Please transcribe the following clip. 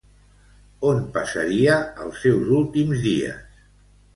On passaria els seus últims dies?